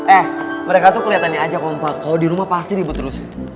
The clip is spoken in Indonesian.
eh mereka tuh keliatannya aja kompa kalo di rumah pasti ribet terus